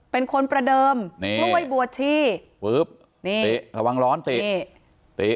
เป็นคนประเดิมนี่กล้วยบัวชีปุ๊บนี่ติระวังร้อนตินี่ติ